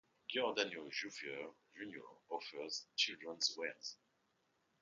Giordano Junior offers children's wear.